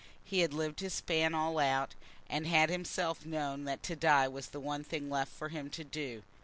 He had lived his span all out, and had himself known that to die was the one thing left for him to do.